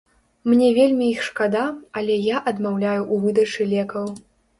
Мне вельмі іх шкада, але я адмаўляю ў выдачы лекаў.